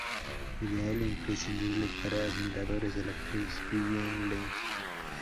Ideal e imprescindible para admiradores de la actriz Vivian Leigh.